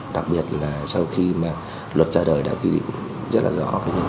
đặc biệt là sau khi mà luật ra đời đã ghi định rất là rõ